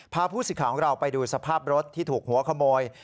ผู้สิทธิ์ของเราไปดูสภาพรถที่ถูกหัวขโมย